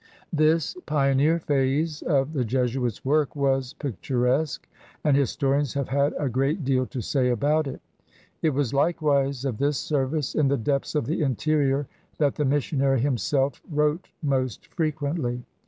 This pioneer phase of the Jesuit's work was picturesque, and historians have had a great deal to say about it. It was likewise of this service in the depths of the interior that the missionary himself wrote most frequently.